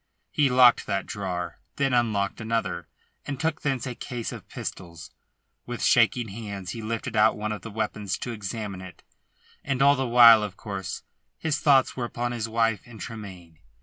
He locked that drawer; then unlocked another, and took thence a case of pistols. With shaking hands he lifted out one of the weapons to examine it, and all the while, of course, his thoughts were upon his wife and Tremayne.